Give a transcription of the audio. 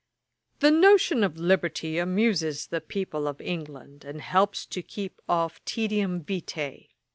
'The notion of liberty amuses the people of England, and helps to keep off the tædium vitæ.